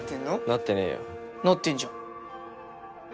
なってねなってんじゃん